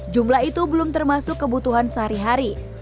jumlah itu belum termasuk kebutuhan sehari hari